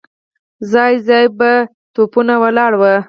ځای ځای به توپونه ولاړ وو.